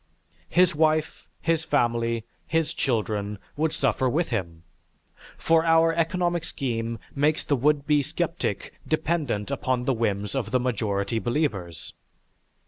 His wife, his family, his children, would suffer with him, for our economic scheme makes the would be sceptic dependent upon the whims of the majority believers.